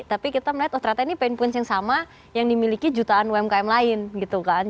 tapi kita melihat oh ternyata ini paint point yang sama yang dimiliki jutaan umkm lain gitu kan